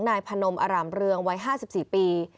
นายพนมอร่ามเรืองวัย๕๔ปี